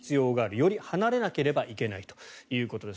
より離れなければいけないということです。